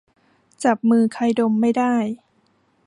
จับมือใครดมไม่ได้